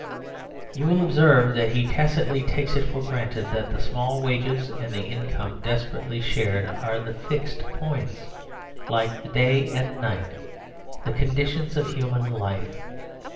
You will observe that he tacitly takes it for granted that the small wages and the income, desperately shared, are the fixed points, like day and night, the conditions of human life.